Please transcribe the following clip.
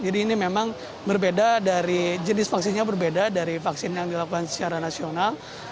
jadi ini memang berbeda dari jenis vaksinnya berbeda dari vaksin yang dilakukan secara nasional